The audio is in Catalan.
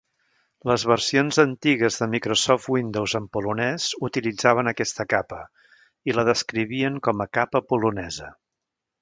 Les versions antigues de Microsoft Windows en polonès utilitzaven aquesta capa, i la descrivien com a "capa polonesa".